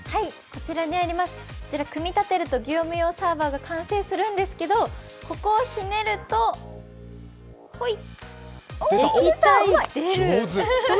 こちら組み立てると業務用サーバーが完成するんですけどここをひねると出る！